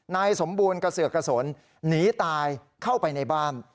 นายสมบูรณ์กระเสือกกระสนหนีตายเข้าไปในบ้าน